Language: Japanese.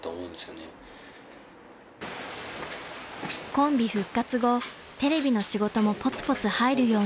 ［コンビ復活後テレビの仕事もポツポツ入るように］